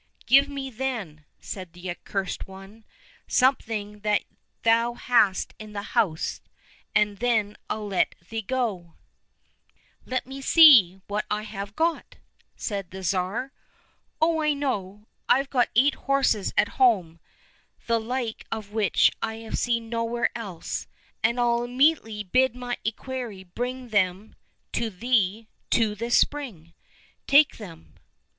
—" Give me, then," said the Accursed One, '* something that thou hast in the house, and then I'll let thee go !"—" Let me see, what have I got ?" said the Tsar. Oh, I know. I've got eight horses at home, the like of which I have seen nowhere else, and I'll immediately bid my equerry bring them to thee to this spring — take them."